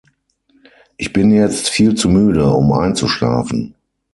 Ich bin jetzt viel zu müde, um einzuschlafen.